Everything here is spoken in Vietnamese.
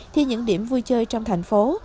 thì những điểm vui chơi trong thành phố